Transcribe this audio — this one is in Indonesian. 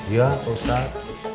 ya pak ustad